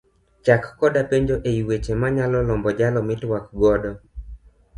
Chak koda penjo ewi weche manyalo lombo jalo mitwak godo